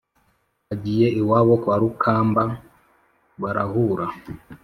agiye iwabo kwa rukamba barahura